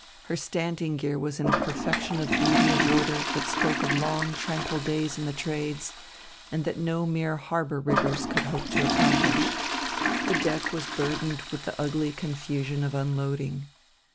Her standing gear was in a perfection and beauty of order that spoke of long tranquil days in the trades, and that no mere harbor riggers could hope to accomplish. The deck was burdened with the ugly confusion of unloading.